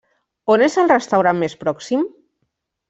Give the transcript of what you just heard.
On és el restaurant més pròxim?